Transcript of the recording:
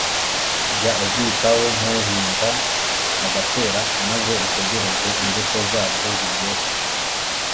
Jya ubwitaho nk’uhinga agatera, maze utegereze imbuto zabwo ziryoshye;